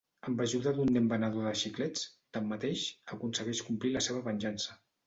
Amb ajuda d'un nen venedor de xiclets, tanmateix, aconsegueix complir la seva venjança.